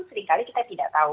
seringkali kita tidak tahu